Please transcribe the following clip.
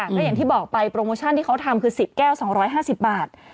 ก็อย่างที่บอกไปโปรโมชั่นที่เขาทำคือ๑๐แก้ว๒๕๐บาท